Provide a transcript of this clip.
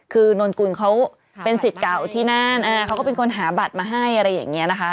คือนนกุลเขาเป็นสิทธิ์เก่าที่นั่นเขาก็เป็นคนหาบัตรมาให้อะไรอย่างนี้นะคะ